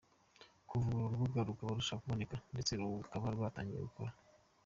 Kuva ubu, uru rubuga rukaba rubasha kuboneka ndetse rukaba rwatangiye gukora.